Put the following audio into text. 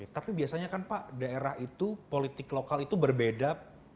tapi biasanya kan pak daerah itu politik lokal itu berbeda